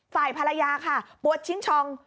ฝ่ายภรรยาค่ะปวดชิ้นชอง